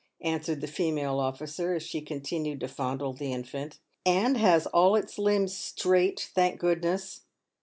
answered the female officer, as she continued to fondle the infant; " and has all its limbs straight, thank goodness."